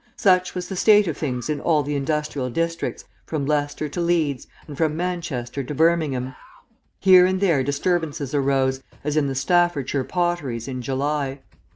Such was the state of things in all the industrial districts, from Leicester to Leeds, and from Manchester to Birmingham. Here and there disturbances arose, as in the Staffordshire potteries, in July.